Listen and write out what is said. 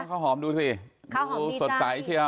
ข้าวหอมดูสิดูสดใสใช่หรอ